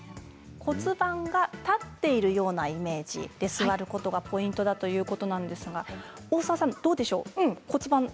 骨盤が立っているようなイメージで座ることがポイントだということなんですが大沢さん、どうでしょう？